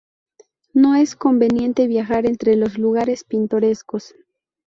No es conveniente viajar entre los lugares pintorescos.